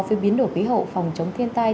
phía biến đổi khí hậu phòng chống thiên tai